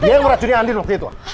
dia yang meracuni andi waktu itu